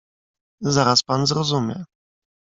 "Zaraz pan zrozumie."